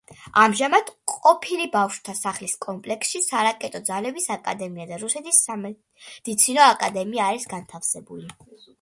ამჟამად ყოფილი ბავშვთა სახლის კომპლექსში სარაკეტო ძალების აკადემია და რუსეთის სამედიცინო აკადემია არის განთავსებული.